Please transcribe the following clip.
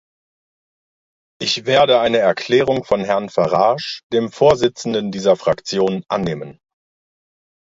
Ich werde eine Erklärung von Herrn Farage, dem Vorsitzenden dieser Fraktion, annehmen.